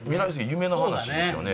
夢の話ですよね。